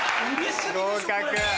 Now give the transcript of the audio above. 合格。